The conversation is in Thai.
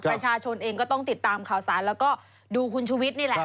ประชาชนเองก็ต้องติดตามข่าวสารแล้วก็ดูคุณชุวิตนี่แหละ